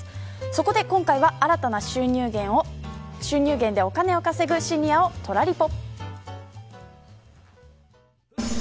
そこで今回は新たな収入源でお金を稼ぐシニアをトラリポ。